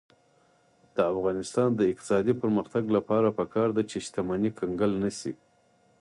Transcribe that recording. د افغانستان د اقتصادي پرمختګ لپاره پکار ده چې شتمني کنګل نشي.